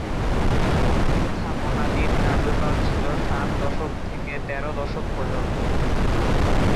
স্থাপনাটির কার্যকাল ছিল সাত শতক থেকে তের শতক পর্যন্ত।